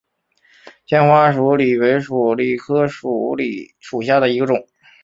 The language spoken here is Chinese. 纤花鼠李为鼠李科鼠李属下的一个种。